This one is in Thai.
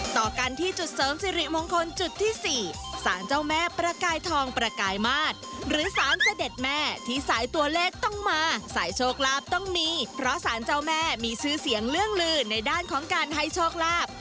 ต่อกันที่จุดเสริมสิริมงคลจุดที่๔สารเจ้าแม่ประกายทองประกายมาตรหรือสารเสด็จแม่ที่สายตัวเลขต้องมาสายโชคลาภต้องมีเพราะสารเจ้าแม่มีชื่อเสียงเรื่องลือในด้านของการให้โชคลาภ